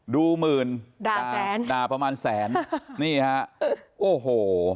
ดูหมื่นด่าประมาณแสนนี่ค่ะโอ้โห